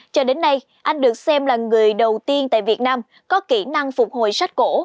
cho đến nay anh được xem là người đầu tiên tại việt nam có kỹ năng phục hồi sách cổ